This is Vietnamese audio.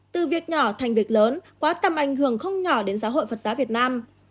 từ việc nhỏ thành việc lớn quá tầm ảnh hưởng không nhỏ đến giáo hội phật giáo việt nam